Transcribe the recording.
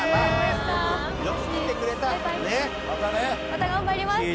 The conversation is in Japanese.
また頑張ります。